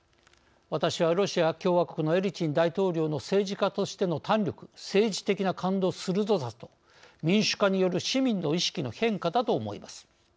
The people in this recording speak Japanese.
私はロシア共和国のエリツィン大統領の政治家としての胆力政治的な勘の鋭さと民主化による市民の意識の変化だと思います。